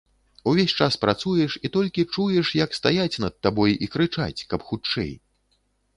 Увесь час працуеш, і толькі чуеш, як стаяць над табой і крычаць, каб хутчэй.